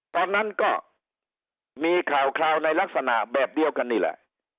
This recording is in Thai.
ตอนนั้นก็มีข่าวในลักษณะแบบเดียวกันนี่แหละ